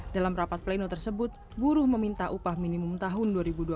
dalam rapat pleno tersebut buruh meminta upah minimum tahun dua ribu dua puluh